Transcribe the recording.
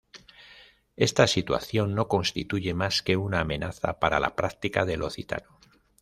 Esta situación no constituye más que una amenaza para la práctica del occitano.